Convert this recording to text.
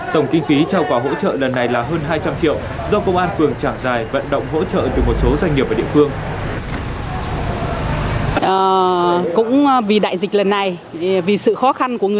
tổng kinh phí trao quà hỗ trợ lần này là hơn hai trăm linh triệu do công an phường trảng giải vận động hỗ trợ từ một số doanh nghiệp ở địa phương